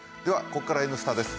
ここからは「Ｎスタ」です。